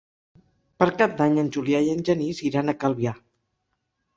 Per Cap d'Any en Julià i en Genís iran a Calvià.